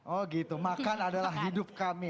oh gitu makan adalah hidup kami